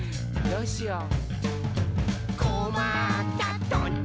「どうしよう？」